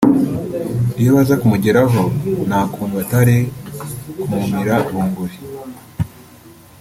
iyo baza kumugeraho nta kuntu batari ku mumira bunguru